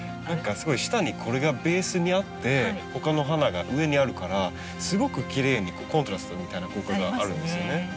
何かすごい下にこれがベースにあって他の花が上にあるからすごくきれいにコントラストみたいな効果があるんですよね。